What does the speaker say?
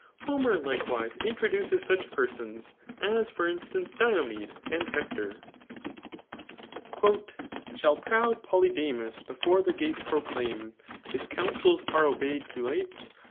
Homer, likewise, introduces such persons, as, for instance, Diomed and Hector : Shall |)roud Polydamas before the gate Proclaun, his counsels are obey'd too late.